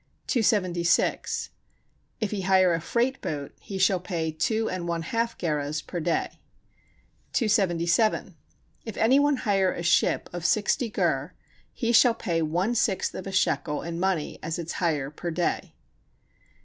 276. If he hire a freight boat, he shall pay two and one half gerahs per day. 277. If any one hire a ship of sixty gur he shall pay one sixth of a shekel in money as its hire per day.